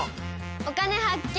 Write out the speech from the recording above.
「お金発見」。